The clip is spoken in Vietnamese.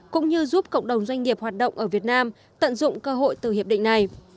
cũng như giúp cộng đồng doanh nghiệp hoạt động ở việt nam tận dụng cơ hội từ hiệp định này